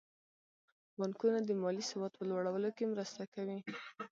بانکونه د مالي سواد په لوړولو کې مرسته کوي.